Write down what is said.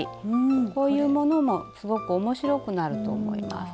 こういうものもすごく面白くなると思います。